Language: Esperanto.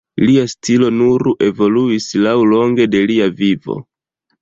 Lia stilo nur evoluis laŭlonge de lia vivo.